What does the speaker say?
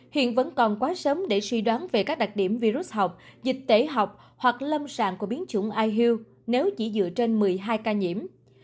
hiện vẫn còn quá sớm để suy đoán về các đặc điểm virus học dịch tễ học hoặc lâm sàng của biến chủng iil nếu chỉ dựa trên một mươi hai ca nhiễm